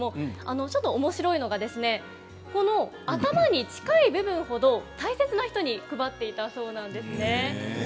おもしろいのが頭に近い部分程、大切な人に配っていたそうです。